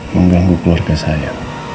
mengganggu keluarga saya